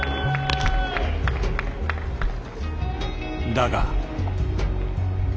だが。